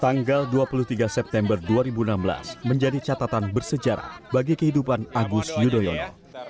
tanggal dua puluh tiga september dua ribu enam belas menjadi catatan bersejarah bagi kehidupan agus yudhoyono